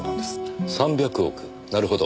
３００億なるほど。